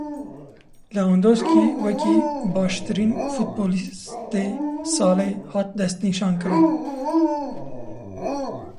Lewandowski wekî baştirîn futbolîstê salê hat destnîşankirin.